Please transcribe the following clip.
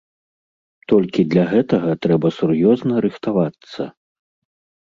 Толькі для гэтага трэба сур'ёзна рыхтавацца.